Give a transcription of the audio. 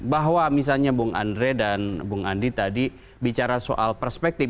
bahwa misalnya bung andre dan bung andi tadi bicara soal perspektif